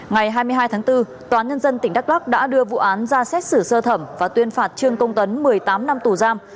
ngày hai mươi hai tháng bốn tòa nhân dân tỉnh đắk lắc đã đưa vụ án ra xét xử sơ thẩm và tuyên phạt trương công tấn một mươi tám năm tù giam